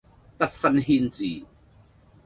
不分軒輊